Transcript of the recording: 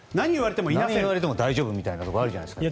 何を言われても大丈夫なところあるじゃないですか。